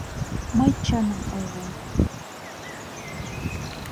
Мый чыным ойлем.